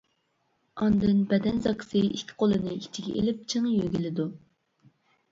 ئاندىن بەدەن زاكىسى ئىككى قولىنى ئىچىگە ئېلىپ چىڭ يۆگىلىدۇ.